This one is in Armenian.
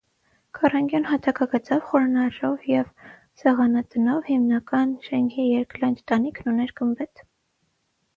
Քառանկյուն հատակագծով, խորանով և սեղանատնով հիմնական շենքի երկլանջ տանիքն ուներ գմբեթ։